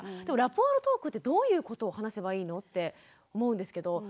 でもラポールトークってどういうことを話せばいいの？って思うんですけど。